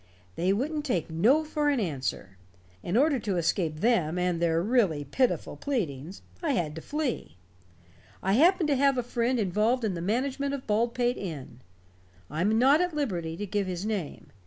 They wouldn't take no for an answer. In order to escape them and their really pitiful pleadings, I had to flee. I happened to have a friend involved in the management of Baldpate Inn. I am not at liberty to give his name.